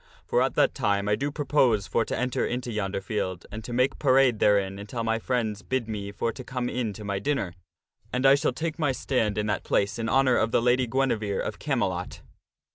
For at that time I do propose for to enter into yonder field, and to make parade therein until my friends bid me for to come in to my dinner ; and I shall take my stand in that place in honor of the Lady Guinevere of Camelot."